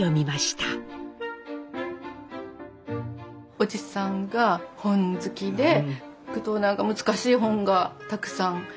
おじさんが本好きで行くと何か難しい本がたくさんあってね